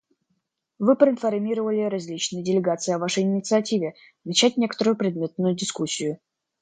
Вы проинформировали различные делегации о Вашей инициативе − начать некоторую предметную дискуссию.